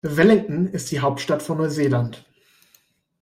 Wellington ist die Hauptstadt von Neuseeland.